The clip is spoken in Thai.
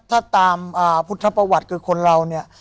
ถ้าตามพุทธประวัติคือคนเราเนี่ย